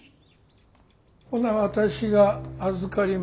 ほな私が預かりましょか？